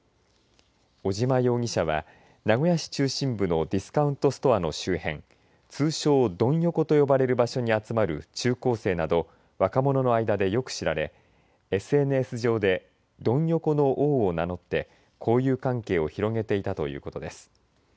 尾島容疑者は名古屋市中心部のディスカウントストアの周辺通称、ドン横と呼ばれる場所に集まる中高生など若者の間でよく知られＳＮＳ上でドン横の王を名乗って交友関係を広げていたということです。